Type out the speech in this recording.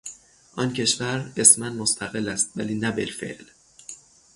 آن کشور اسما مستقل است ولی نه بالفعل